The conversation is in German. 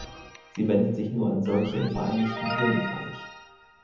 Sie wendet sich nur an solche im Vereinigten Königreich.